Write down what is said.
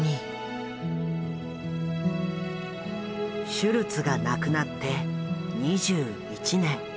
シュルツが亡くなって２１年。